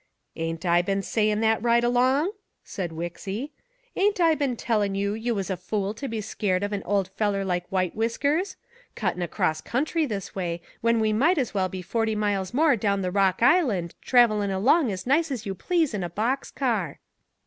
"Ain't I been sayin' that right along?" asked Wixy. "Ain't I been tellin' you you was a fool to be scared of an old feller like White Whiskers? Cuttin' across country this way when we might as well be forty miles more down the Rock Island, travelin' along as nice as you please in a box car."